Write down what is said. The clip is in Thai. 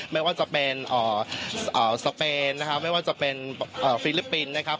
ไม่ว่าจะเป็นสเปนนะครับไม่ว่าจะเป็นฟิลิปปินส์นะครับ